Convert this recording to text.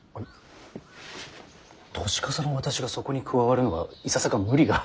年かさの私がそこに加わるのはいささか無理が。